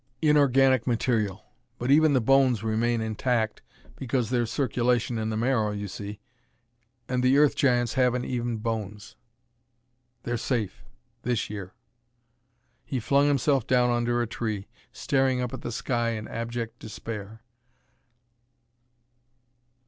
"Inorganic material. But even the bones remain intact because there's circulation in the marrow, you see. And the Earth Giants haven't even bones. They're safe this year!" He flung himself down under a tree, staring up at the sky in abject despair.